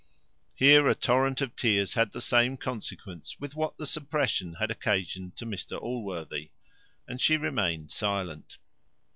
Here a torrent of tears had the same consequence with what the suppression had occasioned to Mr Allworthy, and she remained silent.